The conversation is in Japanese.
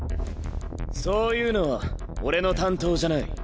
そういうのは俺の担当じゃない。